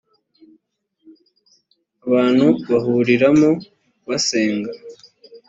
abantu bahuriramo basenga .